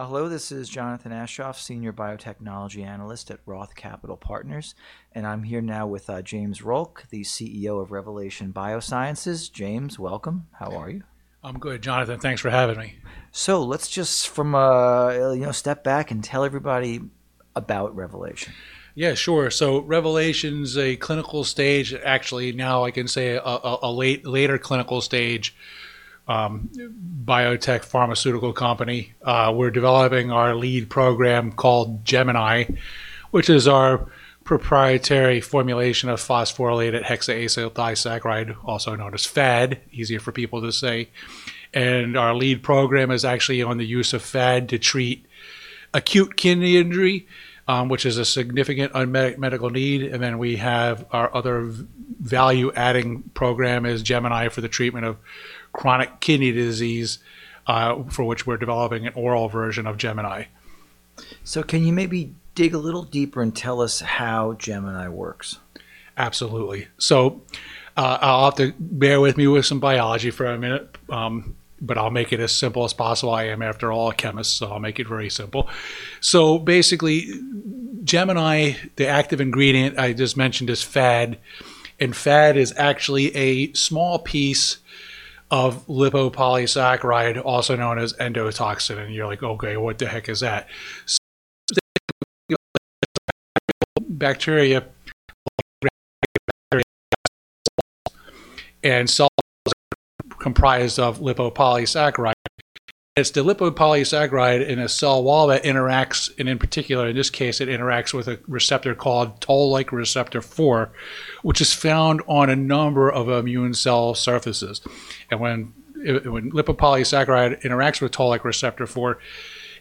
Hello, this is Jonathan Aschoff, senior biotechnology analyst at Roth Capital Partners. I'm here now with James Rolke, the CEO of Revelation Biosciences. James, welcome. How are you? I'm good, Jonathan. Thanks for having me. Let's just step back and tell everybody about Revelation. Yeah, sure. Revelation's a clinical-stage, actually now I can say a later clinical-stage biotech pharmaceutical company. We're developing our lead program called Gemini, which is our proprietary formulation of phosphorylated hexaacyl disaccharide, also known as PHAD, easier for people to say. Our lead program is actually on the use of PHAD to treat acute kidney injury, which is a significant unmet medical need. We have our other value-adding program is Gemini for the treatment of chronic kidney disease, for which we're developing an oral version of Gemini. Can you maybe dig a little deeper and tell us how Gemini works? Absolutely. I'll have to bear with me with some biology for a minute, but I'll make it as simple as possible. I am, after all, a chemist, I'll make it very simple. Basically, Gemini, the active ingredient I just mentioned is PHAD is actually a small piece of lipopolysaccharide, also known as endotoxin, you're like, "Okay, what the heck is that?" Bacteria and cells are comprised of lipopolysaccharide. It's the lipopolysaccharide in a cell wall that interacts, and in particular in this case, it interacts with a receptor called Toll-like receptor 4, which is found on a number of immune cell surfaces. When lipopolysaccharide interacts with Toll-like receptor 4,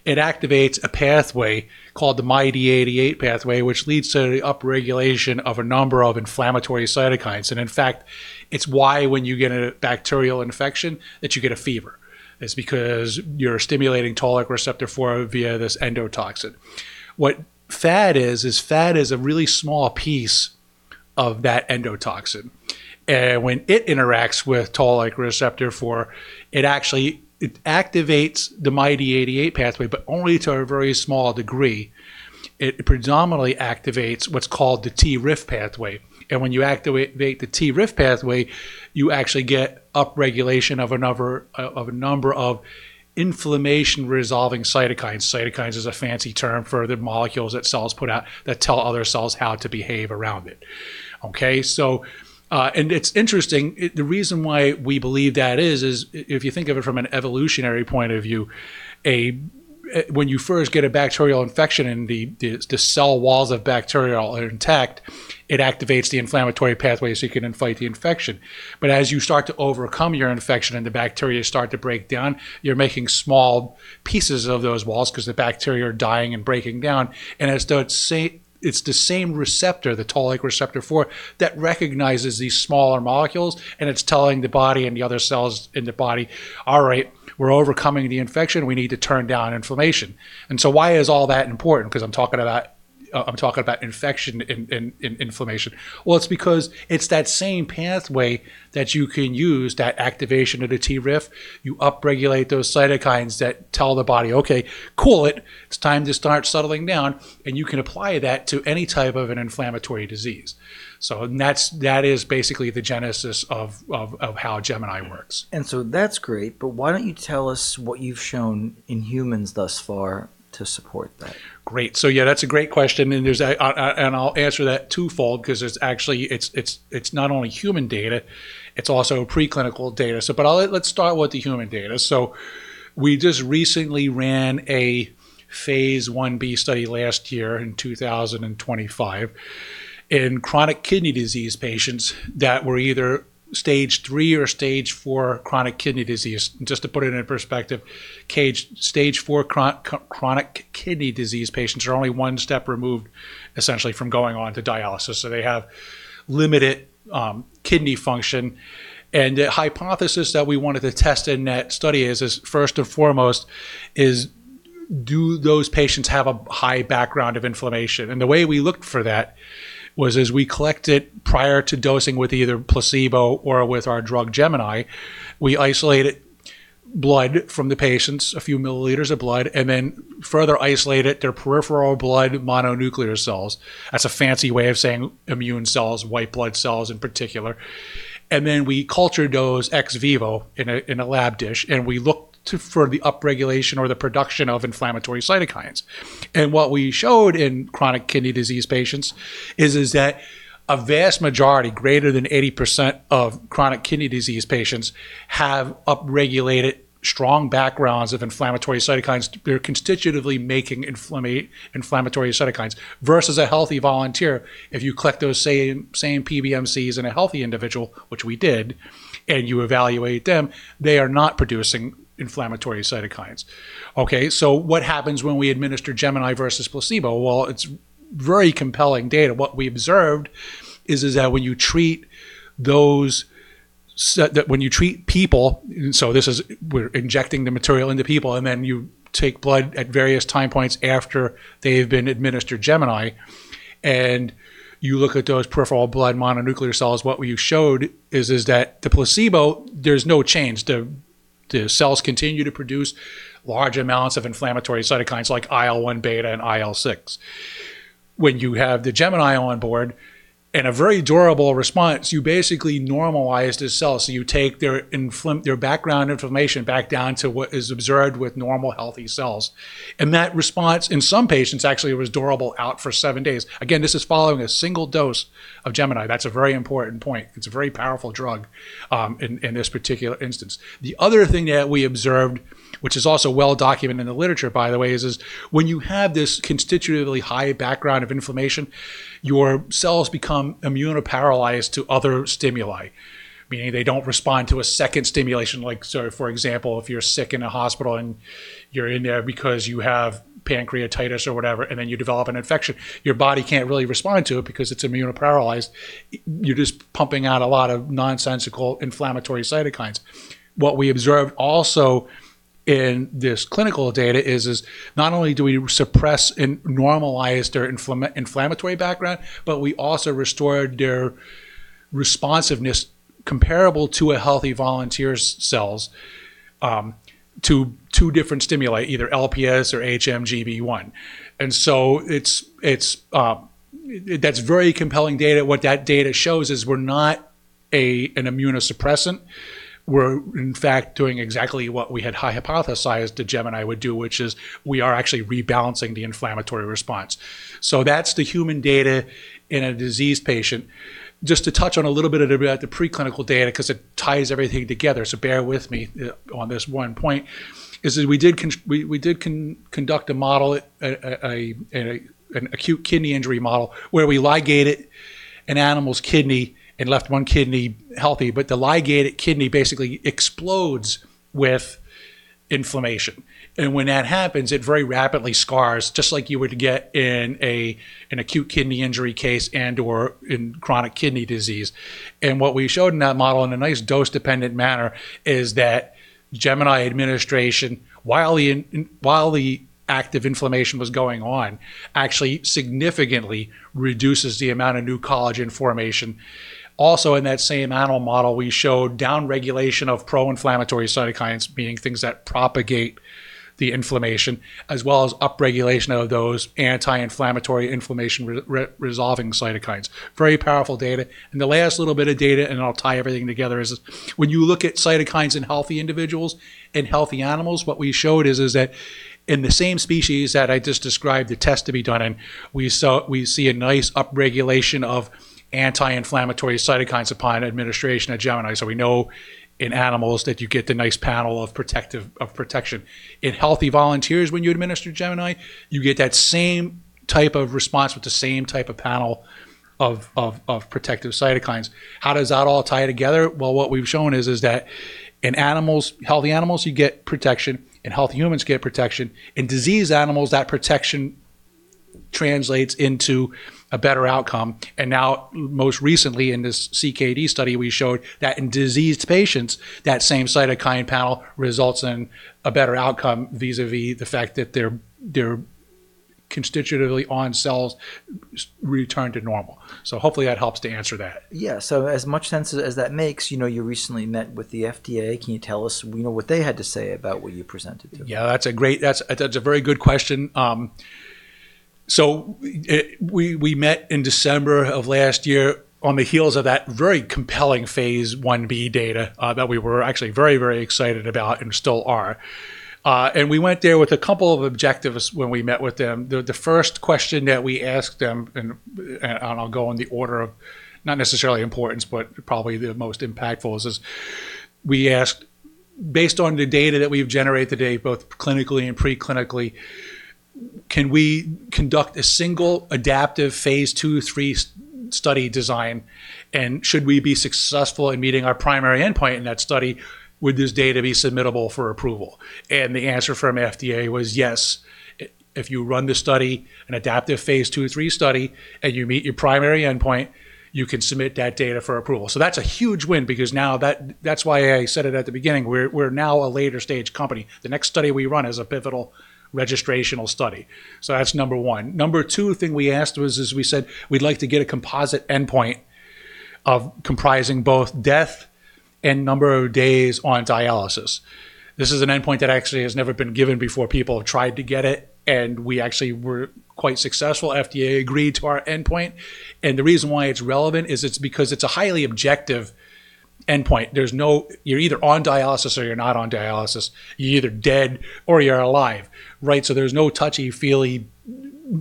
it activates a pathway called the MyD88 pathway, which leads to the upregulation of a number of inflammatory cytokines. In fact, it's why when you get a bacterial infection that you get a fever. It's because you're stimulating Toll-like receptor 4 via this endotoxin. What PHAD is PHAD is a really small piece of that endotoxin. When it interacts with Toll-like receptor 4, it activates the MyD88 pathway, but only to a very small degree. It predominantly activates what's called the TRIF pathway, when you activate the TRIF pathway, you actually get upregulation of a number of inflammation resolving cytokines. Cytokines is a fancy term for the molecules that cells put out that tell other cells how to behave around it. It's interesting, the reason why we believe that is if you think of it from an evolutionary point of view, when you first get a bacterial infection and the cell walls of bacterial are intact, it activates the inflammatory pathway so you can fight the infection. As you start to overcome your infection and the bacteria start to break down, you're making small pieces of those walls because the bacteria are dying and breaking down. It's the same receptor, the Toll-like receptor 4, that recognizes these smaller molecules, and it's telling the body and the other cells in the body, "All right, we're overcoming the infection. We need to turn down inflammation." Why is all that important? Because I'm talking about infection in inflammation. It's because it's that same pathway that you can use, that activation of the TRIF pathway. You upregulate those cytokines that tell the body, "Okay, cool it. It's time to start settling down." You can apply that to any type of an inflammatory disease. That is basically the genesis of how Gemini works. That's great, but why don't you tell us what you've shown in humans thus far to support that? Great. Yeah, that's a great question, I'll answer that twofold because it's not only human data, it's also preclinical data. Let's start with the human data. We just recently ran a phase I-B study last year in 2025 in chronic kidney disease patients that were either stage 3 or stage 4 chronic kidney disease. Just to put it into perspective, stage 4 chronic kidney disease patients are only one step removed, essentially, from going on to dialysis, so they have limited kidney function. The hypothesis that we wanted to test in that study is, first and foremost, is do those patients have a high background of inflammation? The way we looked for that was is we collected prior to dosing with either placebo or with our drug, Gemini, we isolated blood from the patients, a few milliliters of blood, then further isolated their peripheral blood mononuclear cells. That's a fancy way of saying immune cells, white blood cells in particular. Then we cultured those ex vivo in a lab dish, we looked for the upregulation or the production of inflammatory cytokines. What we showed in chronic kidney disease patients is that a vast majority, greater than 80% of chronic kidney disease patients have upregulated strong backgrounds of inflammatory cytokines. They're constitutively making inflammatory cytokines versus a healthy volunteer. If you collect those same PBMCs in a healthy individual, which we did, and you evaluate them, they are not producing inflammatory cytokines. What happens when we administer Gemini versus placebo? Well, it's very compelling data. What we observed is that when you treat people, so we're injecting the material into people, and then you take blood at various time points after they have been administered Gemini. You look at those peripheral blood mononuclear cells, what we showed is that the placebo, there's no change. The cells continue to produce large amounts of inflammatory cytokines like IL-1 beta and IL-6. When you have the Gemini on board in a very durable response, you basically normalize the cells. You take their background inflammation back down to what is observed with normal healthy cells. That response in some patients actually was durable out for seven days. Again, this is following a single dose of Gemini. That's a very important point. It's a very powerful drug in this particular instance. The other thing that we observed, which is also well documented in the literature, by the way, is when you have this constitutively high background of inflammation, your cells become immunoparalyzed to other stimuli, meaning they don't respond to a second stimulation. For example, if you're sick in a hospital and you're in there because you have pancreatitis or whatever, then you develop an infection, your body can't really respond to it because it's immunoparalyzed. You're just pumping out a lot of nonsensical inflammatory cytokines. What we observed also in this clinical data is not only do we suppress and normalize their inflammatory background, but we also restored their responsiveness comparable to a healthy volunteer's cells to two different stimuli, either LPS or HMGB1. That's very compelling data. What that data shows is we're not an immunosuppressant. We're in fact doing exactly what we had hypothesized that Gemini would do, which is we are actually rebalancing the inflammatory response. That's the human data in a diseased patient. Just to touch on a little bit about the preclinical data because it ties everything together, bear with me on this one point, is that we did conduct a model, an acute kidney injury model, where we ligated an animal's kidney and left one kidney healthy, but the ligated kidney basically explodes with inflammation. When that happens, it very rapidly scars, just like you would get in an acute kidney injury case and/or in chronic kidney disease. What we showed in that model in a nice dose-dependent manner is that Gemini administration, while the active inflammation was going on, actually significantly reduces the amount of new collagen formation. Also in that same animal model, we showed downregulation of pro-inflammatory cytokines, meaning things that propagate the inflammation, as well as upregulation of those anti-inflammatory inflammation resolving cytokines. Very powerful data. The last little bit of data, I'll tie everything together, is when you look at cytokines in healthy individuals and healthy animals, what we showed is that in the same species that I just described the test to be done in, we see a nice upregulation of anti-inflammatory cytokines upon administration of Gemini. We know in animals that you get the nice panel of protection. In healthy volunteers when you administer Gemini, you get that same type of response with the same type of panel of protective cytokines. How does that all tie together? Well, what we've shown is that in healthy animals, you get protection. In healthy humans, you get protection. In diseased animals, that protection translates into a better outcome. Now most recently in this CKD study, we showed that in diseased patients, that same cytokine panel results in a better outcome vis-a-vis the fact that their constitutively on cells return to normal. Hopefully that helps to answer that. Yeah. As much sense as that makes, you recently met with the FDA. Can you tell us what they had to say about what you presented to them? Yeah, that's a very good question. We met in December of last year on the heels of that very compelling phase I-B data that we were actually very excited about and still are. We went there with a couple of objectives when we met with them. The first question that we asked them, and I'll go in the order of not necessarily importance, but probably the most impactful, is we asked, based on the data that we've generated to date, both clinically and pre-clinically, can we conduct a single adaptive phase II, III study design? Should we be successful in meeting our primary endpoint in that study, would this data be submittable for approval? The answer from FDA was yes. If you run the study, an adaptive phase II, III study, and you meet your primary endpoint, you can submit that data for approval. That's a huge win because now that's why I said it at the beginning, we're now a later stage company. The next study we run is a pivotal registrational study. That's number 1. Number 2 thing we asked was is we said we'd like to get a composite endpoint comprising both death and number of days on dialysis. This is an endpoint that actually has never been given before. People have tried to get it, and we actually were quite successful. FDA agreed to our endpoint, the reason why it's relevant is it's because it's a highly objective endpoint. You're either on dialysis or you're not on dialysis. You're either dead or you're alive, right? There's no touchy-feely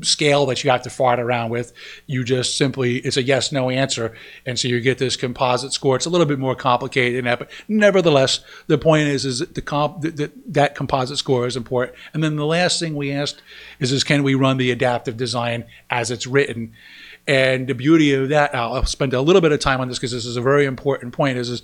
scale that you have to fart around with. It's a yes/no answer, you get this composite score. It's a little bit more complicated than that, but nevertheless, the point is that composite score is important. The last thing we asked is can we run the adaptive design as it's written? The beauty of that, I'll spend a little bit of time on this because this is a very important point, is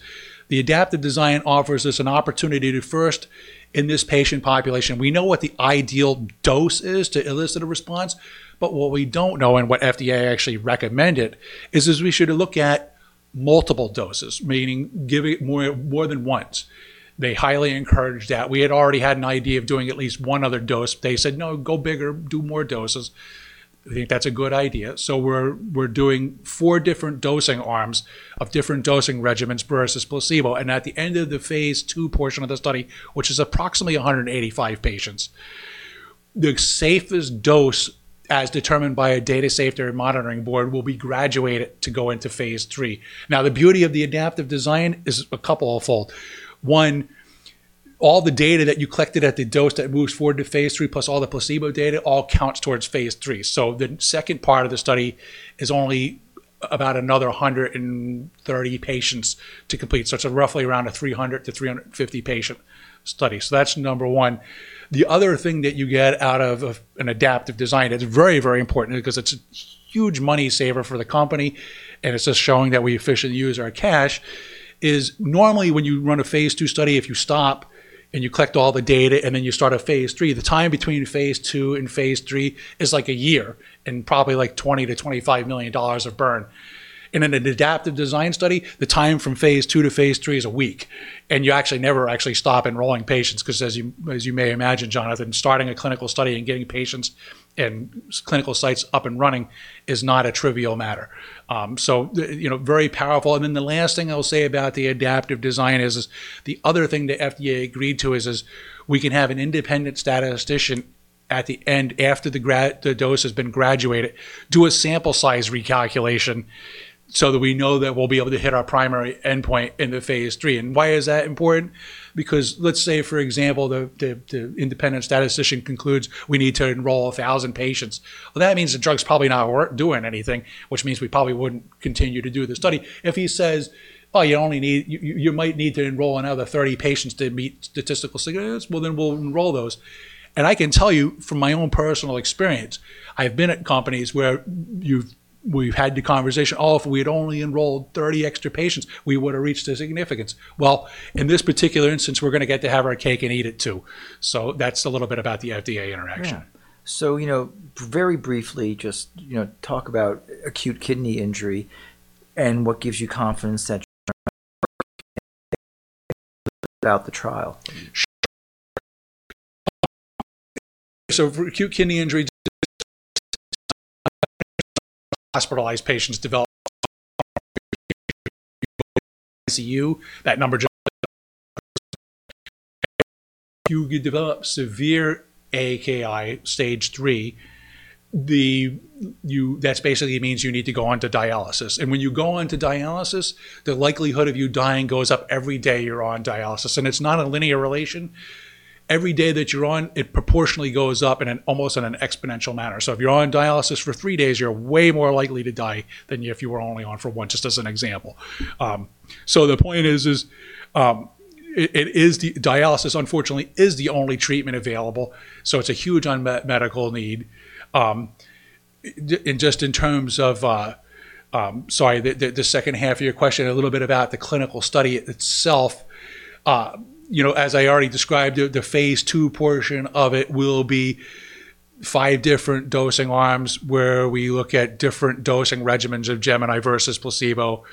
the adaptive design offers us an opportunity to first, in this patient population, we know what the ideal dose is to elicit a response. What we don't know and what FDA actually recommended is we should look at multiple doses, meaning giving more than once. They highly encouraged that. We had already had an idea of doing at least one other dose. They said, "No, go bigger. Do more doses." They think that's a good idea. We're doing four different dosing arms of different dosing regimens versus placebo, and at the end of the phase II portion of the study, which is approximately 185 patients, the safest dose, as determined by a Data and Safety Monitoring Board, will be graduated to go into phase III. The beauty of the adaptive design is a couple of fold. One, all the data that you collected at the dose that moves forward to phase III, plus all the placebo data, all counts towards phase III. The second part of the study is only about another 130 patients to complete. It's roughly around a 300 to 350 patient study. That's number one. The other thing that you get out of an adaptive design that's very important, because it's a huge money saver for the company and it's just showing that we efficiently use our cash, is normally when you run a phase II study, if you stop and you collect all the data and then you start a phase III, the time between phase II and phase III is like a year, and probably like $20 million-$25 million of burn. In an adaptive design study, the time from phase II to phase III is a week, and you actually never stop enrolling patients, because as you may imagine, Jonathan, starting a clinical study and getting patients and clinical sites up and running is not a trivial matter. Very powerful. The last thing I'll say about the adaptive design is the other thing the FDA agreed to is we can have an independent statistician at the end, after the dose has been graduated, do a sample size recalculation so that we know that we'll be able to hit our primary endpoint into phase III. Why is that important? Let's say, for example, the independent statistician concludes we need to enroll 1,000 patients. That means the drug's probably not doing anything, which means we probably wouldn't continue to do the study. If he says, "Oh, you might need to enroll another 30 patients to meet statistical significance," then we'll enroll those. I can tell you from my own personal experience, I've been at companies where we've had the conversation, "Oh, if we'd only enrolled 30 extra patients, we would've reached the significance." In this particular instance, we're going to get to have our cake and eat it, too. That's a little bit about the FDA interaction. Very briefly, just talk about acute kidney injury and what gives you confidence that about the trial. For acute kidney injury, hospitalized patients develop ICU. You develop severe AKI stage III, that basically means you need to go on to dialysis. When you go onto dialysis, the likelihood of you dying goes up every day you're on dialysis, and it's not a linear relation. Every day that you're on, it proportionally goes up in an almost an exponential manner. If you're on dialysis for three days, you're way more likely to die than if you were only on for one, just as an example. The point is dialysis, unfortunately, is the only treatment available, so it's a huge unmet medical need. Just in terms of, sorry, the second half of your question, a little bit about the clinical study itself. As I already described, the phase II portion of it will be five different dosing arms where we look at different dosing regimens of Gemini versus placebo.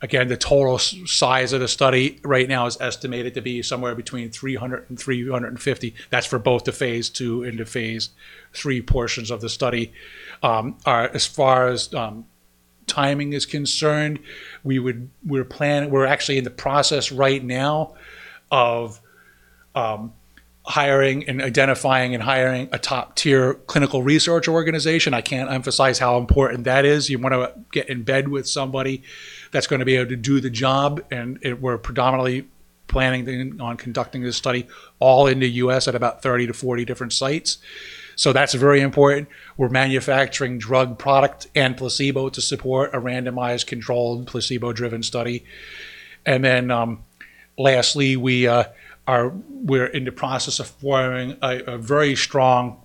The total size of the study right now is estimated to be somewhere between 300 and 350. That's for both the phase II and the phase III portions of the study. As far as timing is concerned, we're actually in the process right now of identifying and hiring a top-tier clinical research organization. I can't emphasize how important that is. You want to get in bed with somebody that's going to be able to do the job, and we're predominantly planning on conducting this study all in the U.S. at about 30 to 40 different sites. That's very important. We're manufacturing drug product and placebo to support a randomized controlled placebo-driven study. Lastly, we're in the process of forming a very strong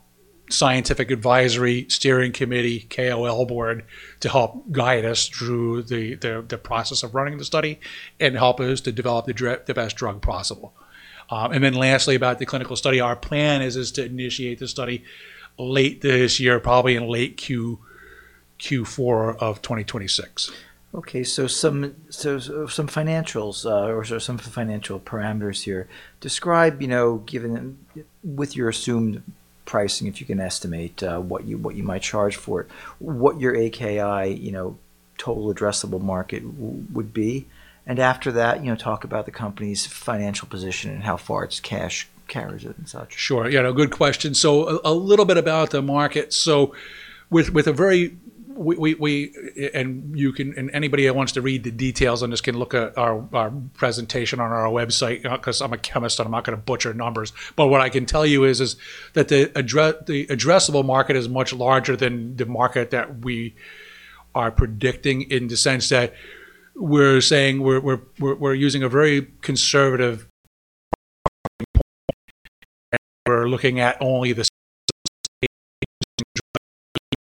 scientific advisory steering committee, KOL board, to help guide us through the process of running the study and help us to develop the best drug possible. Lastly, about the clinical study, our plan is to initiate the study late this year, probably in late Q4 of 2026. Some financials, or some financial parameters here. Describe, with your assumed pricing, if you can estimate what you might charge for it, what your AKI total addressable market would be, and after that talk about the company's financial position and how far its cash carries it and such. Good question. A little bit about the market. Anybody that wants to read the details on this can look at our presentation on our website, because I'm a chemist and I'm not going to butcher numbers. What I can tell you is that the addressable market is much larger than the market that we are predicting in the sense that we're saying we're using a very conservative and we're looking at only the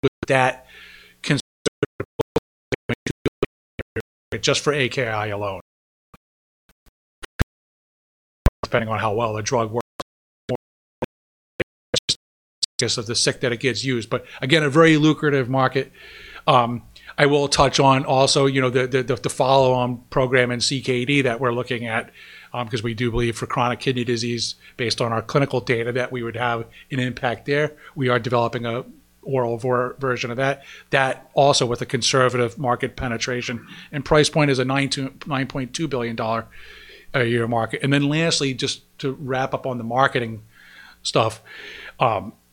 with that conservative just for AKI alone. Depending on how well a drug works of the sick that it gets used, but again, a very lucrative market. I will touch on also the follow-on program in CKD that we're looking at, because we do believe for chronic kidney disease, based on our clinical data, that we would have an impact there. We are developing a oral version of that also with a conservative market penetration and price point is a $9.2 billion a year market. Lastly, just to wrap up on the marketing stuff,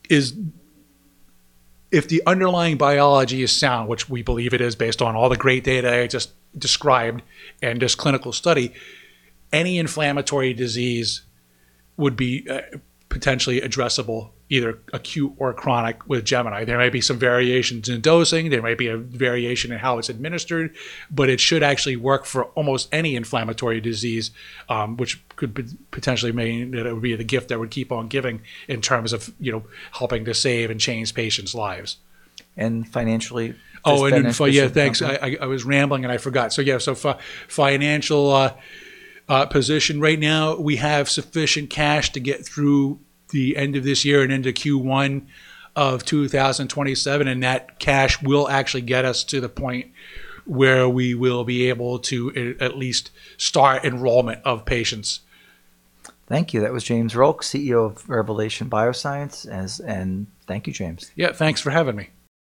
is if the underlying biology is sound, which we believe it is based on all the great data I just described and this clinical study, any inflammatory disease would be potentially addressable, either acute or chronic with Gemini. There may be some variations in dosing, there may be a variation in how it's administered, but it should actually work for almost any inflammatory disease, which could potentially mean that it would be the gift that would keep on giving in terms of helping to save and change patients' lives. Financially. Yeah, thanks. I was rambling and I forgot. Yeah, financial position right now, we have sufficient cash to get through the end of this year and into Q1 2027, that cash will actually get us to the point where we will be able to at least start enrollment of patients. Thank you. That was James Rolke, CEO of Revelation Biosciences. Thank you, James. Yeah. Thanks for having me.